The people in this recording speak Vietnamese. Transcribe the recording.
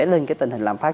lên cái tình hình lạm phát